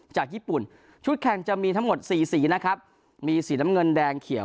จากญี่ปุ่นชุดแข่งจะมีทั้งหมดสี่สีนะครับมีสีน้ำเงินแดงเขียว